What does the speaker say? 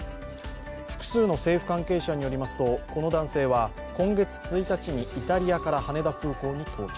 複数の政府関係者によりますと、この男性は今月１日にイタリアから羽田空港に到着。